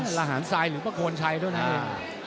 หราหารไซน์หรือประโคนใช่ด้วยนะละเอง